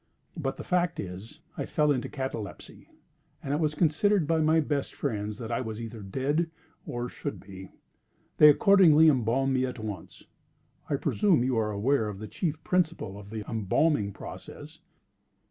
But the fact is, I fell into catalepsy, and it was considered by my best friends that I was either dead or should be; they accordingly embalmed me at once—I presume you are aware of the chief principle of the embalming process?"